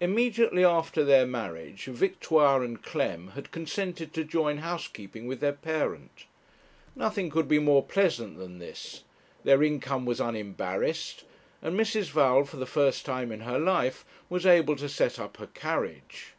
Immediately after their marriage, Victoire and Clem had consented to join housekeeping with their parent. Nothing could be more pleasant than this; their income was unembarrassed, and Mrs. Val, for the first time in her life, was able to set up her carriage.